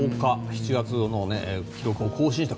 ７月の記録を更新した。